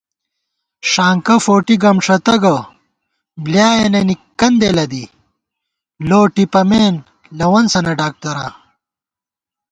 ݭانکہ فوٹی گمݭَتہ گہ بلیائېنَنی کندے لَدِی، لو ٹِپَمېن لوَنسَنہ ڈاکتراں